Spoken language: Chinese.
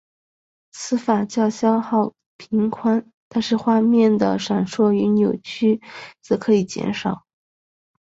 此法较消耗频宽但是画面的闪烁与扭曲则可以减少。